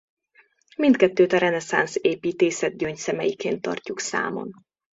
Mindkettőt a reneszánsz építészet gyöngyszemeiként tartjuk számon.